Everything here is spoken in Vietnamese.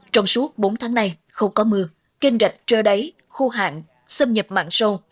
trong suốt bốn tháng này không có mưa kênh rạch trơ đáy khu hạng xâm nhập mặn sâu